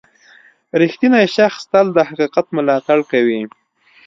• رښتینی شخص تل د حقیقت ملاتړ کوي.